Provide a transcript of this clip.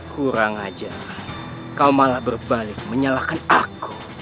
kurang aja kau malah berbalik menyalahkan aku